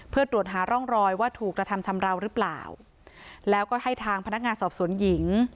เพื่อตรวจหาร่องรอยว่าถูกกระทำชำราวหรือเปล่าแล้วก็ให้ทางพนักงานสอบสวนหญิง